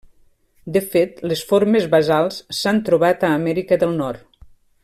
De fet les formes basals s'han trobat a Amèrica del Nord.